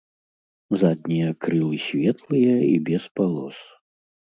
Заднія крылы светлыя і без палос.